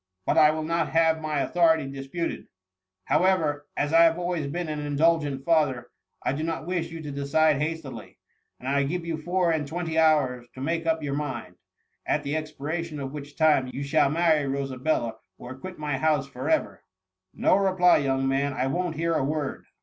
86 THE MUMMY. but I will not have my authority disputed :— however, as I have always been an indulgent father, I do not wish you to decide hastily, and I ^ve you four and twenty hours to make up your mind : at the expiration of which time you shall marry Rosabella or quit my house for ever. No reply, young man ; I won't hear a word.''